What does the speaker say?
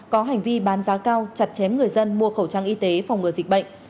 có hành vi bán giá cao chặt chém người dân mua khẩu trang y tế phòng ngừa dịch bệnh